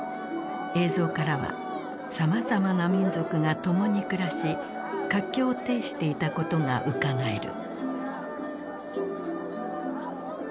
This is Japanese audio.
映像からはさまざまな民族が共に暮らし活況を呈していたことがうかがえる。